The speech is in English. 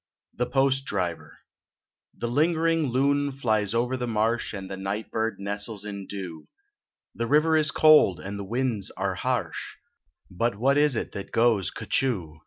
THE POST DRIVER The lingering loon flies over the marsh And the night bird nestles in dew, The river is cold and the winds are harsh, But what is it that goes cnhchoo